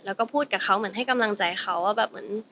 แล้วก็พูดกับเขาเหมือนให้กำลังใจเขาว่าแบบเหมือน